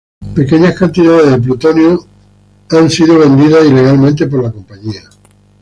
Pequeñas cantidades de plutonio han sido vendidas ilegalmente por la compañía.